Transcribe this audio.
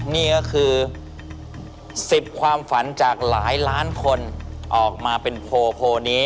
นี่ก็คือ๑๐ความฝันจากหลายล้านคนออกมาเป็นโพลนี้